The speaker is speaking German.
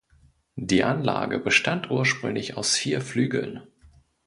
Die Anlage bestand ursprünglich aus vier Flügeln.